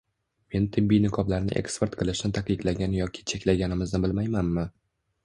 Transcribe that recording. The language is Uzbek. Men tibbiy niqoblarni eksport qilishni taqiqlagan yoki cheklaganimizni bilmaymanmi?